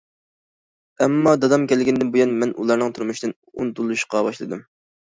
ئەمما دادام كەلگەندىن بۇيان مەن ئۇلارنىڭ تۇرمۇشىدىن ئۇنتۇلۇشقا باشلىدىم.